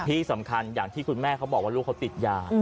ที่สำคัญอย่างที่คุณแม่เขาบอกว่าลูกเขาติดยา